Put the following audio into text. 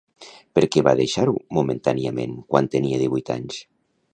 Per què va deixar-ho momentàniament quan tenia divuit anys?